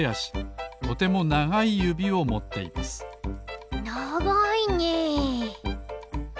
とてもながいゆびをもっていますながいねえ。